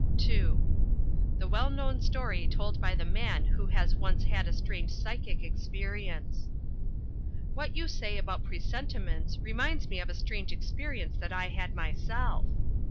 (II) The well known story told by the man who has once had a strange psychic experience. ...What you say about presentiments reminds me of a strange experience that I had myself.